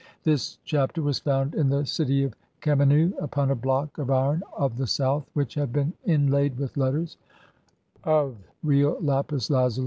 THIS CHAPTER WAS FOUND IN THE CITY OF KHEMENNU UPON A BLOCK OF IRON OF THE SOUTH, WHICH HAD BEEN INLAID [WITH LETTERS] (3) OF REAL I.APIS LAZUI.